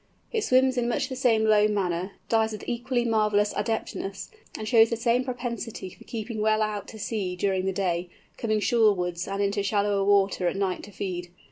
It swims in much the same low manner, dives with equally marvellous adeptness, and shows the same propensity for keeping well out to sea during the day, coming shorewards and into shallower water at night to feed.